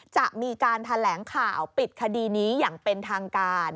จะมีการแถลงข่าวปิดคดีนี้อย่างเป็นทางการ